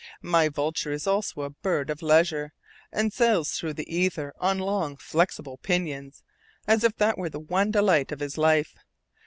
My vulture is also a bird of leisure, and sails through the ether on long flexible pinions, as if that was the one delight of his life.